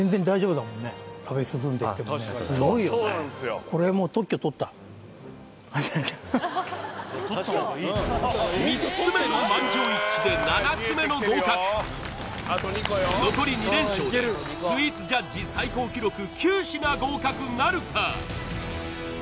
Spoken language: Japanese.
食べ進んでいってもねこれもう３つ目の満場一致で７つ目の合格残り２連勝でスイーツジャッジ最高記録９品合格なるか？